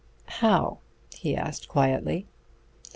"How?" he asked quietly.